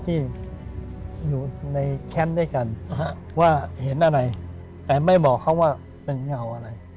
เพราะว่าเห็นอะไรแต่ไม่บอกเขาว่าเป็นเงาอะไร